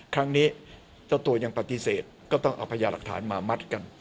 ครั้งนี้เจ้าตัวยังปฏิเสธก็ต้องเอาพญาหลักฐานมามัดกัน